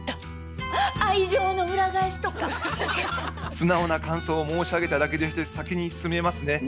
素直な感想を申し上げただけでして先に進めますね。